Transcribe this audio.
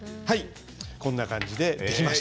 こんな感じでできました。